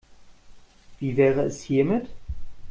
Wie wäre es hiermit?